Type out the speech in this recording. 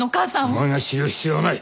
お前が知る必要はない！